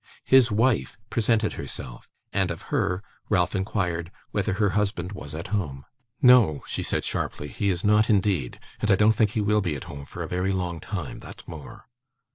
His wife presented herself; and, of her, Ralph inquired whether her husband was at home. 'No,' she said sharply, 'he is not indeed, and I don't think he will be at home for a very long time; that's more.